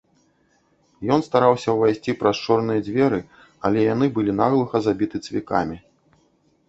Ён стараўся ўвайсці праз чорныя дзверы, але яны былі наглуха забіты цвікамі.